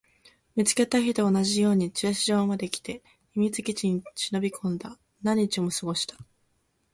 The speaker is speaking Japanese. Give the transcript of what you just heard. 見つけた日と同じように駐車場まで来て、秘密基地に忍び込んだ。何日も過ごした。